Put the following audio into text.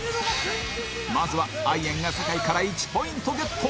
まずはアイエンが酒井から１ポイントゲット